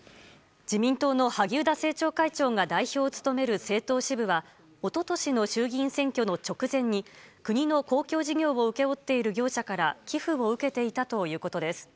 自民党の萩生田政調会長が代表を務める政党支部は、おととしの衆議院選挙の直前に、国の公共事業を請け負っている業者から、寄付を受けていたということです。